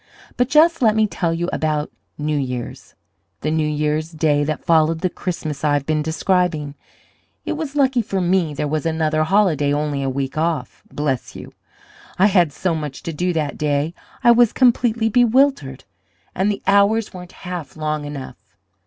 But just let me tell you about New Year's the New Year's day that followed the Christmas I've been describing. It was lucky for me there was another holiday only a week off. Bless you! I had so much to do that day I was completely bewildered, and the hours weren't half long enough.